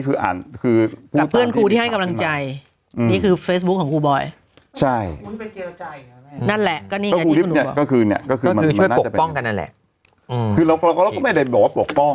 เพื่อปกป้องกันนั่นแหละอืมคือเราก็ไม่ได้บอกว่าปกป้อง